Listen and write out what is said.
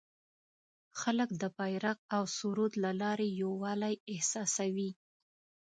خلک د بیرغ او سرود له لارې یووالی احساسوي.